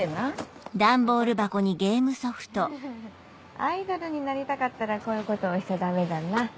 フフフアイドルになりたかったらこういうことをしちゃダメだな。